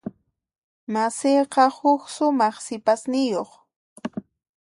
Masiyqa huk sumaq sipasniyuq.